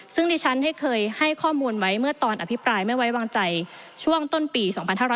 ซึ่งดิฉันให้เคยให้ข้อมูลไว้เมื่อตอนอภิปรายไม่ไว้วางใจช่วงต้นปี๒๕๕๙